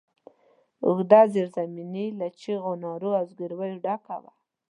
اوږده زېرزميني له چيغو، نارو او زګرويو ډکه وه.